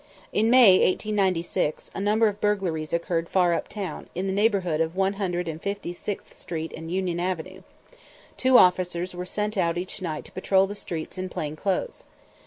In May, 1896, a number of burglaries occurred far uptown, in the neighborhood of One Hundred and Fifty sixth Street and Union Avenue. Two officers were sent out each night to patrol the streets in plain clothes.